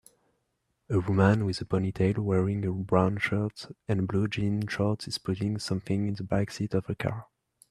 A woman with a ponytail wearing a brown shirt and blue jean shorts is putting something in the backseat of a car